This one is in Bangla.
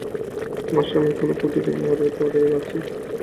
আমার স্বামী এখনো কুটিরে মরে পড়ে আছে।